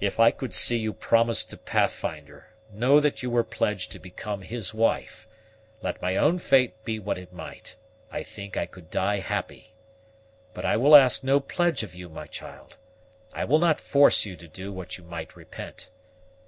"If I could see you promised to Pathfinder know that you were pledged to become his wife, let my own fate be what it might, I think I could die happy. But I will ask no pledge of you, my child; I will not force you to do what you might repent.